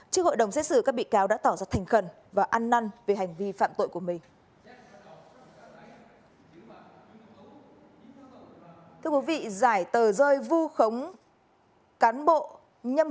trước hội đồng xét xử các bị cáo đã tỏ ra thành khẩn và ăn năn về hành vi phạm tội của mình